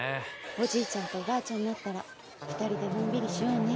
おじいちゃんとおばあちゃんになったら２人でのんびりしようね。